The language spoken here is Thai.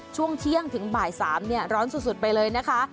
ช่วงเที่ยงถึงบ่าย๓ร้อนสุดไปเลยนะคะ